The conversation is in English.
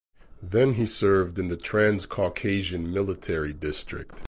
Then he served in the Transcaucasian Military District.